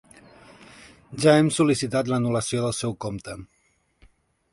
Ja hem sol·licitat l'anul·lació del seu compte.